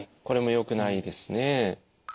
これもよくないですね。